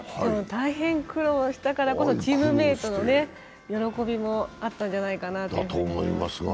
大変苦労したからこそチームメートの喜びもあったんじゃないかなと思います。